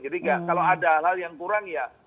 jadi kalau ada hal hal yang kurang ya